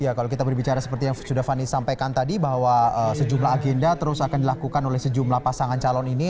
ya kalau kita berbicara seperti yang sudah fani sampaikan tadi bahwa sejumlah agenda terus akan dilakukan oleh sejumlah pasangan calon ini